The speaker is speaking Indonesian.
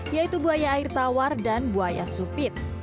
yaitu buaya air tawar dan buaya supit